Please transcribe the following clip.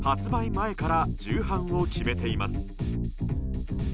前から重版を決めています。